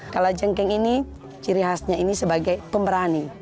kalau jengkeng ini ciri khasnya ini sebagai pemberani